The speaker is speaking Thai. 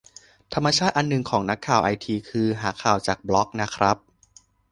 ธรรมชาติอันหนึ่งของนักข่าวไอที คือหาข่าวจากบล็อกนะครับ